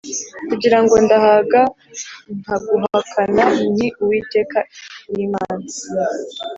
Kugira ngo ndahaga nkaguhakana nti Uwiteka ni Imana